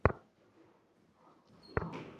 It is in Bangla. বউদিদি এসে আজ সেই ভয়টা ওর মন থেকে ভাঙালে বুঝি!